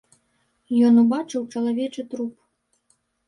Ён убачыў чалавечы труп.